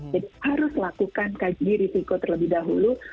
jadi harus lakukan kaji risiko terlebih dahulu